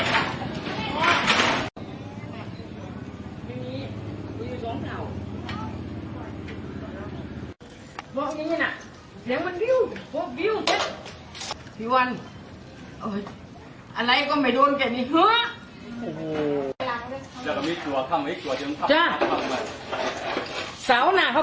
อันนี้มีสองเท่า